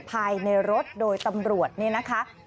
ภายในรถโดยตำรวจนี่นะคะ